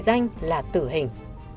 tội danh là tử hình